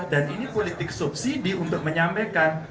dan ini politik subsidi untuk menyampaikan